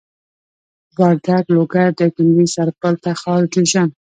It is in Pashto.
وردک لوګر دايکندي سرپل تخار جوزجان